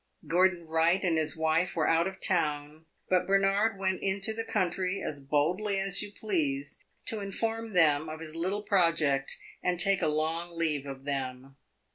Gordon Wright and his wife were out of town, but Bernard went into the country, as boldly as you please, to inform them of his little project and take a long leave of them.